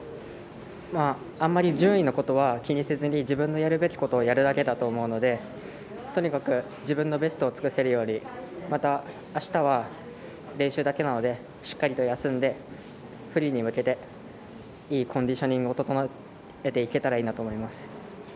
あんまり順位のことは気にせずに自分のやるべきことをやるだけだと思うのでとにかく自分のベストを尽くせるようにまた、あしたは練習だけなのでしっかりと休んでフリーに向けていいコンディショニングを整えていけたらいいなと思います。